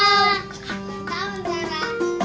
selamat tahun zara